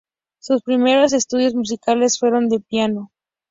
Sus primeros estudios musicales fueron de piano.